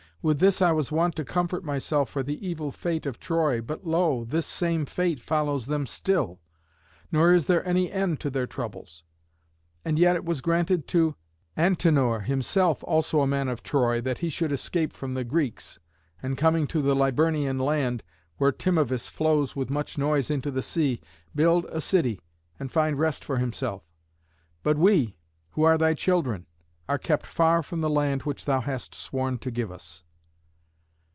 With this I was wont to comfort myself for the evil fate of Troy, but lo! this same fate follows them still, nor is there any end to their troubles. And yet it was granted to Antenor, himself also a man of Troy, that he should escape from the Greeks, and coming to the Liburnian land, where Timavus flows with much noise into the sea, build a city and find rest for himself. But we, who are thy children, are kept far from the land which thou hast sworn to give us."